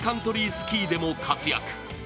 スキーでも活躍。